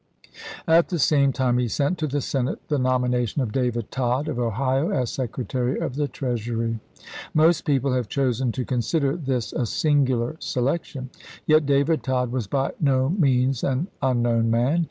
At the same time he sent to the Senate the nom ination of David Tod of Ohio as Secretary of the Treasury. Most people have chosen to consider this a singular selection. Yet David Tod was by no means an unknown man.